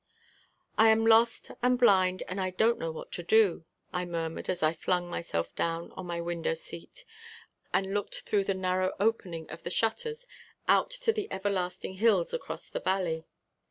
"I am lost and blind and I don't know what to do," I murmured as I flung myself down on my window seat and looked through the narrow opening of the shutters out to the everlasting hills across the valley.